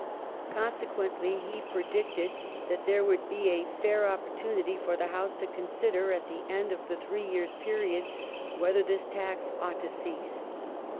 Consequently he predicted that there would be " a fair opportunity for the House to consider " at the end of the three years' period "• whether this tax ought to cease